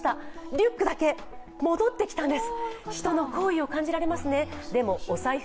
リュックだけ戻ってきたんです。